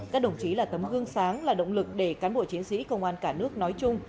các đồng chí là tấm gương sáng là động lực để cán bộ chiến sĩ công an cả nước nói chung